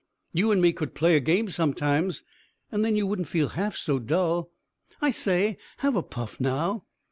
"You and me could play a game sometimes, and then you wouldn't feel half so dull. I say, have a puff now!"